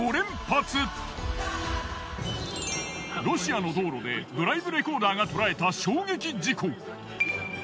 ロシアの道路でドライブレコーダーが捉えた衝撃事故。